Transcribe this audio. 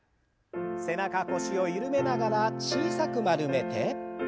背中腰を緩めながら小さく丸めて。